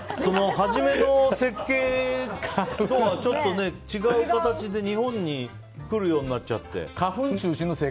初めの設計とちょっと違う形で日本に来るようになっちゃって。